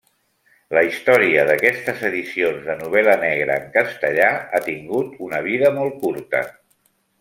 La història d'aquestes edicions de novel·la negra en castellà han tingut una vida molt curta.